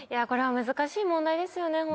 これは難しい問題ですよね